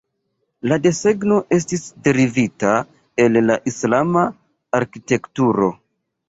La desegno estis derivita el la Islama arkitekturo.